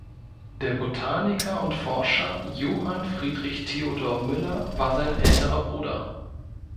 Der Botaniker und Forscher Johann Friedrich Theodor Müller war sein älterer Bruder.